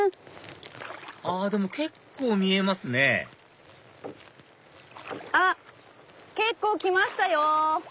あっでも結構見えますねあっ結構来ましたよ。